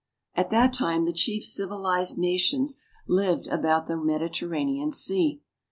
At that time the chief civilized nations lived about the Mediterranean Sea.